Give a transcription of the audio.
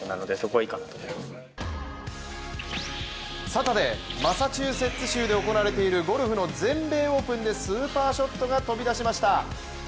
サタデー、マサチューセッツ州で行われているゴルフの全米オープンでスーパーショットが飛び出しました。